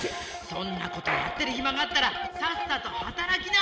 そんなことやってるひまがあったらさっさとはたらきな！